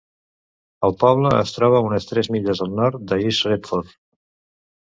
El poble es troba a unes tres milles al nord d'East Retford.